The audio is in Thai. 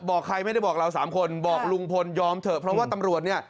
บอกใครไม่ได้บอกเราสามคนบอกลุงพลยอมเถอะเพราะว่าตำรวจเนี่ย